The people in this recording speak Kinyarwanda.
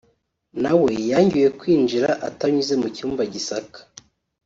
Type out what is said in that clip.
nawe yangiwe kwinjira atanyuze mu cyuma gisaka